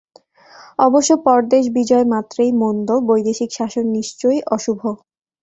অবশ্য পরদেশ-বিজয় মাত্রেই মন্দ, বৈদেশিক শাসন নিশ্চয়ই অশুভ।